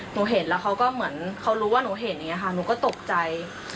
เห็นแล้วเขาก็เหมือนเขารู้ว่าหนูเห็นอย่างนี้ค่ะหนูก็ตกใจ